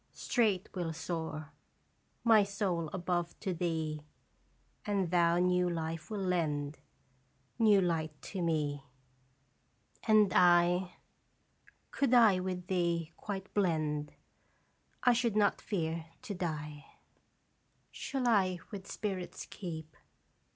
straight will soar My soul above to thee ; And thou new life will lend, New light to me. And I Could I with thee quite blend, I should not fear to die. Shall I with spirits keep?